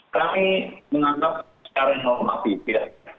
kami menganggap secara normatif ya